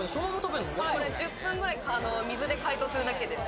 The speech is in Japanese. １０分くらい水で解凍するだけです。